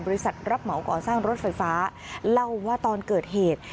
รับเหมาก่อสร้างรถไฟฟ้าเล่าว่าตอนเกิดเหตุ